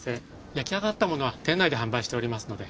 焼き上がったものは店内で販売しておりますので。